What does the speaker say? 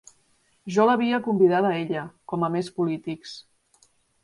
Jo l’havia convidada a ella, com a més polítics.